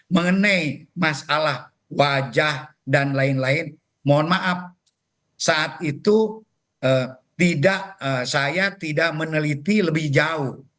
mengenai masalah wajah dan lain lain mohon maaf saat itu saya tidak meneliti lebih jauh